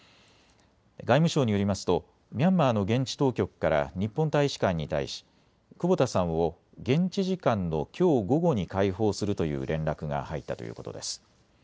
外務省によりますとミャンマーの現地当局から日本大使館に対し久保田さんを現地時間のきょう午後に解放するという連絡が入ったということです。